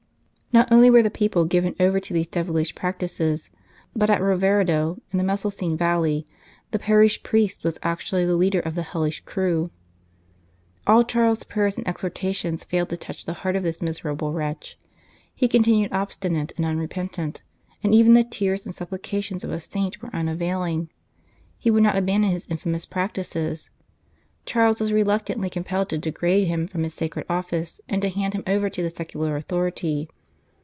Not only were the people given over to these devilish practices, but at Roveredo, in the Mesolcine Valley, the parish priest was actually the leader of the hellish crew. All Charles s prayers and exhortations failed to touch the heart of this miserable wretch ; he con tinued obstinate and unrepentant, and even the tears and supplications of a saint were unavailing ; he would not abandon his infamous practices. Charles was reluctantly compelled to degrade him from his sacred office, and to hand him over to the secular authority.